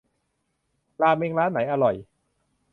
ราเมงร้านไหนอร่อย